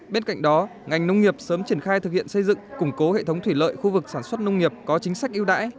bên cạnh đó ngành nông nghiệp sớm triển khai thực hiện xây dựng củng cố hệ thống thủy lợi khu vực sản xuất nông nghiệp có chính sách ưu đãi